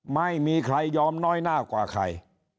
ไม่ยอมน้อยหน้ากว่าใคร